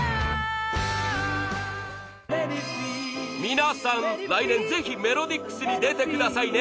皆さん来年ぜひ「ＭｅｌｏｄｉＸ！」に出てくださいね。